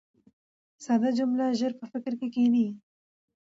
ساده جمله ژر په فکر کښي کښېني.